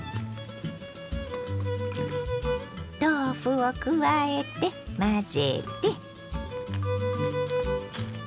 豆腐を加えて混ぜて。